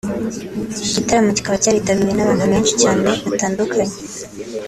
Igitaramo kikaba cyaritabiriwe n’abantu benshi cyane batandukanye